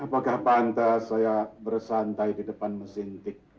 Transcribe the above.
apakah pantas saya bersantai di depan mesin